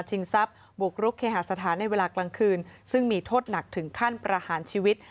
ทรัพย์บุกรุกเคหาสถานในเวลากลางคืนซึ่งมีโทษหนักถึงขั้นประหารชีวิต